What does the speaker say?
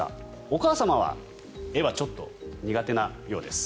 お母様は絵はちょっと苦手なようです。